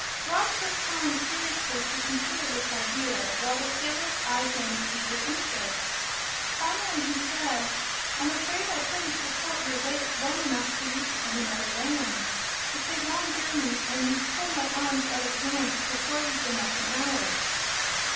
Rob took time seriously to consider this idea, while the sailors eyed him with eager interest. Finally he said: "I'm afraid I couldn't support your weight long enough to reach any other land. It's a long journey, and you'd pull my arms out of joint before we'd been up an hour."